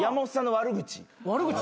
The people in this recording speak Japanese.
悪口？